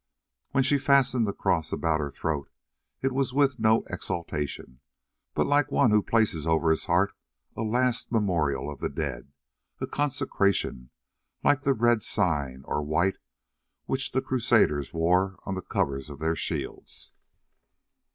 When she fastened the cross about her throat it was with no exultation, but like one who places over his heart a last memorial of the dead; a consecration, like the red sign or the white which the crusaders wore on the covers of their shields.